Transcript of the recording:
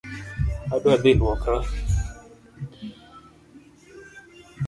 Adwa dhi luokora